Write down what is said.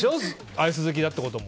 アイス好きだってことも。